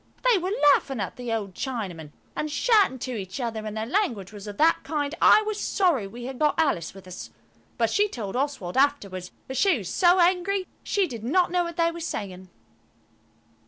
They were laughing at the old Chinaman, and shouting to each other, and their language was of that kind I was sorry we had got Alice with us. But she told Oswald afterwards that she was so angry she did not know what they were saying.